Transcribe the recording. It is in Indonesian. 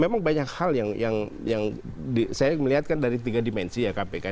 memang banyak hal yang saya melihatkan dari tiga dimensi ya kpk